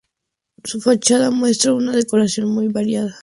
Su fachada muestra una decoración muy variada.